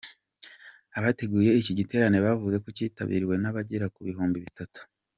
Abateguye iki giterane bavuze ko cyitabiriwe n’abagera ku bihumbi bitatu.